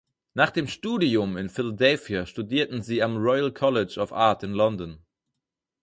Nach dem Studium in Philadelphia studierten sie am Royal College of Art in London.